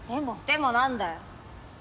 でも何だよ？